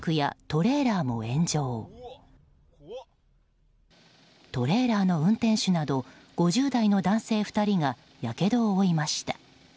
トレーラーの運転手など５０代の男性２人がやけどを負いました。